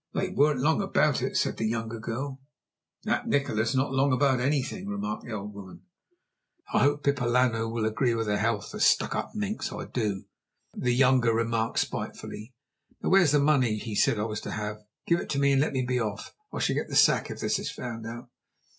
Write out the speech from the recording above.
"They weren't long about it," said the younger girl. "That Nikola's not long about anything," remarked the old woman. "I hope Pipa Lannu will agree with her health the stuck up minx I do!" the younger remarked spitefully. "Now where's the money he said I was to have. Give it to me and let me be off. I shall get the sack if this is found out."